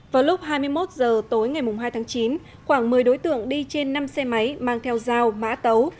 vào lúc hai mươi một h tối ngày hai tháng chín khoảng một mươi đối tượng đi trên năm xe máy mang theo dao mã tấu